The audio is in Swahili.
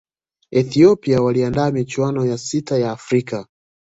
ethiopia waliandaa michuano ya sita ya afrika